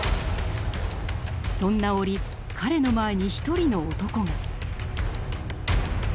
そんな折彼の前に一人の男が。